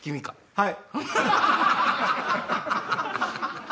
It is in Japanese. はい。